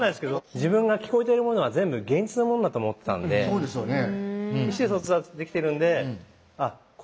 そうですよね。